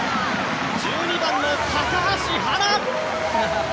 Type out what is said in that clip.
１２番の高橋はな。